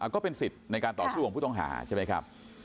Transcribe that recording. ก็เป็นสิทธิ์ในการต่อสู้ของผู้ต้องหาใช่ไหมครับ